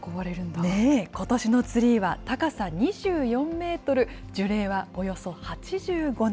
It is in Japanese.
ことしのツリーは高さ２４メートル、樹齢はおよそ８５年。